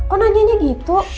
kok nanyanya gitu